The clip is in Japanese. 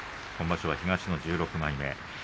今場所は東の１６枚目。